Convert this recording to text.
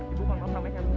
ibu mau mau sampe nyamuk